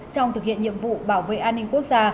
trong thực hiện nhiệm vụ bảo vệ an ninh quốc gia